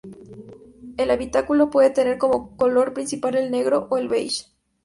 El habitáculo puede tener como color principal el negro o el beige.